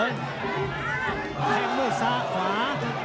แข้งด้วยซ้าขวา